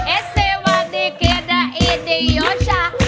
เอ็ดเซว่าดิเกรดอินดิโยช่า